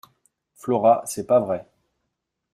Flora C’est pas vrai…